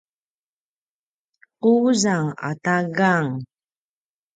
quzang ata gang